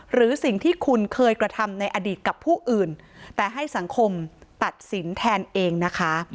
หรือสิ่งที่คุณเคยกระทำในอดีตกับผู้อื่นแต่ให้สังคมตัดสินแทนเองนะคะ